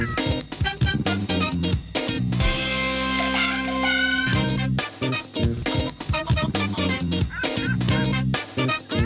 สวัสดีครับ